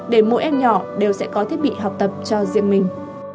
để mỗi em nhỏ đều sẽ có thiết bị học tập cho riêng mình